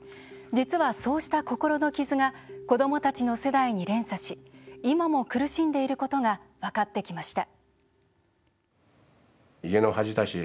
実は、そうした心の傷が子どもたちの世代に連鎖し今も苦しんでいることが分かってきました。